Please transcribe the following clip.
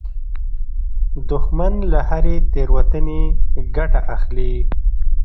دښمن له هرې تېروتنې ګټه اخلي